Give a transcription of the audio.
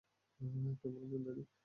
কেমন আছেন, দাদি?